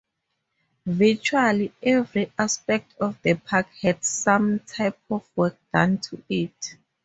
Virtually every aspect of the park had some type of work done to it.